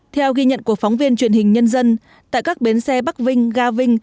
theo ghi nhận của phóng viên truyền hình nhân dân tại các bến xe bắc vinh ga vinh